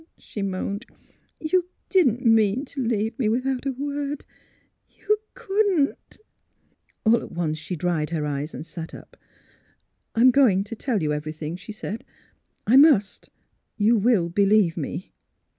" she moaned. '' You didn't mean to leave me without a word! You couldn't! " All at once she dried her eyes and sat up. I'm going to tell you everything," she said. *' I must. You will believe me."